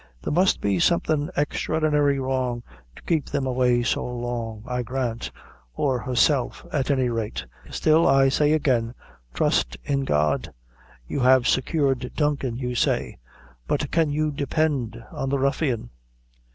There must be something extraordinary wrong to keep them away so long, I grant or herself, at any rate; still, I say again, trust in God. You have secured Duncan, you say; but can you depend on the ruffian?"